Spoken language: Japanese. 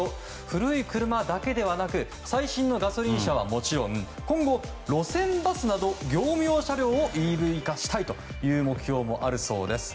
古い車だけではなく最新のガソリン車はもちろん今後、路線バスなど業務用車両をＥＶ化したいという目標があるそうです。